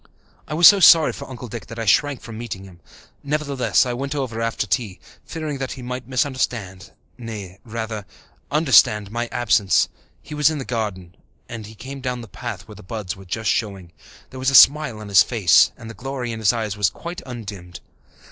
I was so sorry for Uncle Dick that I shrank from meeting him. Nevertheless, I went over after tea, fearing that he might misunderstand, nay, rather, understand, my absence. He was in the garden, and he came down the path where the buds were just showing. There was a smile on his face and the glory in his eyes was quite undimmed.